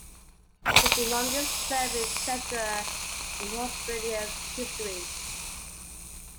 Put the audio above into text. He is the longest-serving Treasurer in Australia's history.